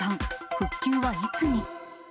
復旧はいつに？